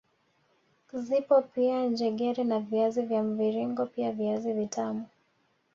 Zipo pia njegere na viazi vya mviringo pia viazi vitamu